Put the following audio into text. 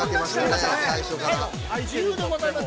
◆自由でございます。